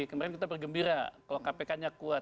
kemarin kita bergembira kalau kpk nya kuat